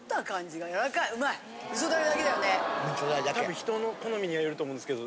人の好みによると思うんですけど。